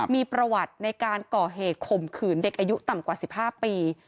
มีประวัติในการก่อเหตุข่มขืนเด็กอายุต่ำกว่า๑๕ปี